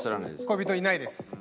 恋人はいないです。